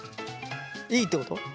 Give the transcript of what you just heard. いいってこと？